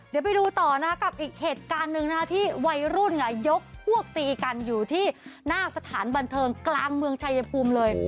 เดี๋ยวไปดูต่อนะกับอีกเหตุการณ์หนึ่งนะคะที่วัยรุ่นยกพวกตีกันอยู่ที่หน้าสถานบันเทิงกลางเมืองชายภูมิเลย